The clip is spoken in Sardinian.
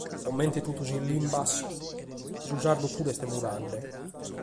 Comente totus is lìnguas, su sardu puru est mudende.